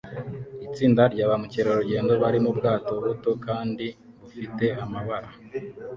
Itsinda rya ba mukerarugendo bari mu bwato buto kandi bufite amabara